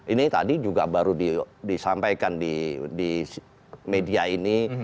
ini tadi juga baru disampaikan di media ini